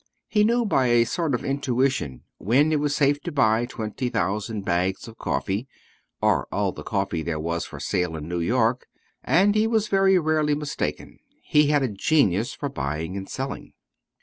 He knew by a sort of intuition when it was safe to buy twenty thousand bags of coffee, or all the coffee there was for sale in New York, and he was very rarely mistaken; he had a genius for buying and selling.